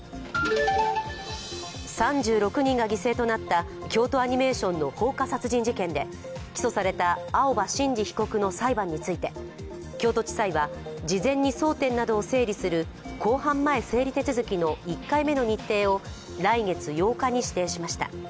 ３６人が犠牲となった京都アニメーション放火殺人事件で起訴された青葉真司被告の裁判について、京都地裁は事前に争点などを整理する公判前整理手続きの１回目の日程を来月８日に指定しました。